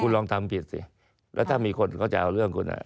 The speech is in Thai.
ลองทำผิดสิแล้วถ้ามีคนเขาจะเอาเรื่องคุณ